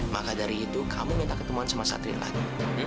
maka dari itu kamu minta ketemuan sama satria lagi